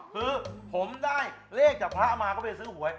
คือผมได้เลขจากพระมาก็ไปซื้อหวย